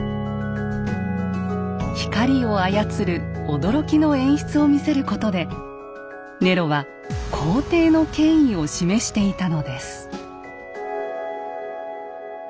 光を操る驚きの演出を見せることでネロは皇帝の権威を示していたのです。